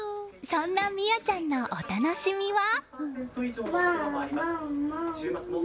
そんな心彩ちゃんのお楽しみは。